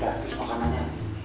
tidak terus makanannya